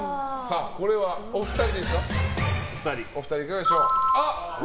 これはお二人いかがでしょう。